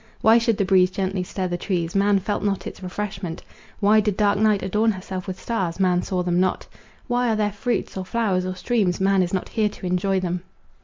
Why should the breeze gently stir the trees, man felt not its refreshment? Why did dark night adorn herself with stars—man saw them not? Why are there fruits, or flowers, or streams, man is not here to enjoy them?